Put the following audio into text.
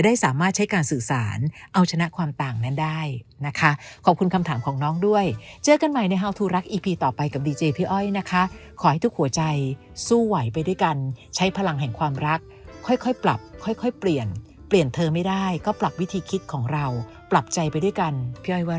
ได้ก็ปรับวิธีคิดของเราปรับใจไปด้วยกันพี่อ้อยว่า